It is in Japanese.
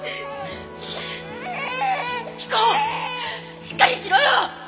彦しっかりしろよ！